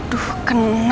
aduh kena lagi